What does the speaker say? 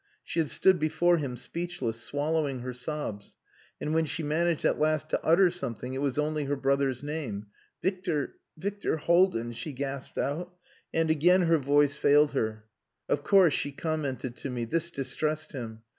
She had stood before him, speechless, swallowing her sobs, and when she managed at last to utter something, it was only her brother's name "Victor Victor Haldin!" she gasped out, and again her voice failed her. "Of course," she commented to me, "this distressed him.